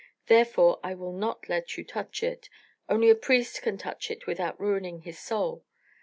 Therefore I will not let you touch it only a priest can touch it without ruining his soul.